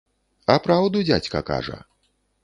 А праўду дзядзька кажа.